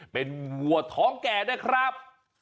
เป็นวัวท้องแก่ด้วยครับ